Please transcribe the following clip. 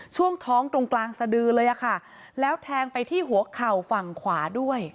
ช่วงท้องตรงกลางสดือเลยอะค่ะแล้วแทงไปที่หัวเข่าฝั่งขวาด้วย